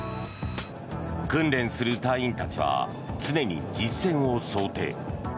訓練する隊員たちは常に実戦を想定。